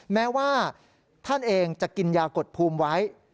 แม้ว่าท่านเองจะกินยากดภูมิไว้